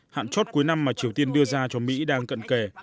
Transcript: hạn chót cuối năm mà triều tiên đưa ra cho mỹ đang cận kề